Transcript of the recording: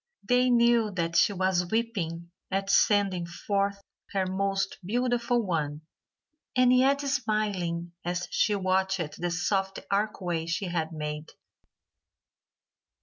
They knew that she was weeping at sending forth her most beautiful one, and yet smiling as she watched the soft archway she had made.